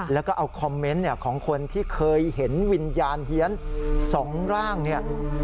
แล้วก็เอาคอมเมนต์ของคนที่เคยเห็นวิญญาณเฮียน๒ร่างเนี่ย